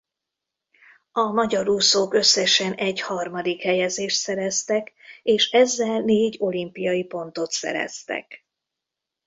A magyar úszók összesen egy harmadik helyezést szereztek és ezzel négy olimpiai pontot szereztek.